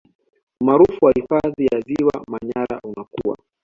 Umaarufu wa hifadhi ya Ziwa Manyara unakua